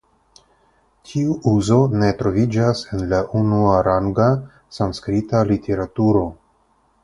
Tiu uzo ne troviĝas en la unuaranga sanskrita literaturo.